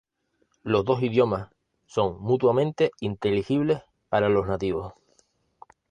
Las dos idiomas son mutuamente inteligibles para los nativos.